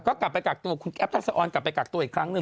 ก็กลับไปกักตัวคุณแอปทักษะออนกลับไปกักตัวอีกครั้งหนึ่ง